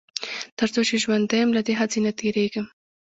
تر څو چې ژوندی يم له دې هڅې نه تېرېږم.